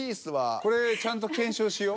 これちゃんと検証しよう。